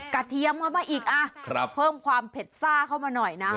เทียมเข้ามาอีกเพิ่มความเผ็ดซ่าเข้ามาหน่อยนะ